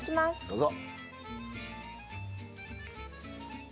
どうぞ。